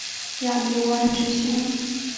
舰载机随舰多次到亚丁湾执行护航任务。